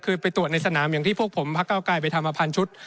คือไปตรวจในสนามอย่างที่พวกผมพักเก้าไกรไปทำมาพันชุด